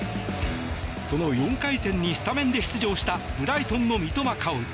その４回戦にスタメンで出場したブライトンの三笘薫。